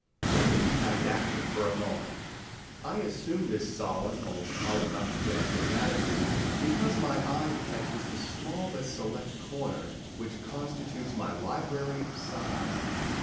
Let me be didactic for a moment! I assume this solemn—oh, call it not pedantic!—attitude because my eye catches the small but select corner which constitutes my library of Science.